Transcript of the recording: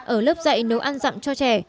ở lớp dạy nấu ăn dặm cho trẻ